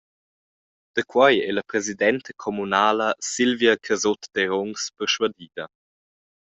Da quei ei la presidenta communala Silvia Casutt-Derungs perschuadida.